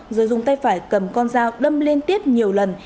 rồi dùng tay phải cầm con dao đâm liên tiếp nhiều lần